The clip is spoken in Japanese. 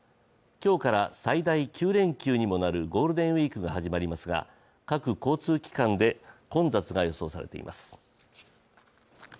今日から最大９連休にもなるゴールデンウイークが始まりますが各交通機関で混雑が予想されています。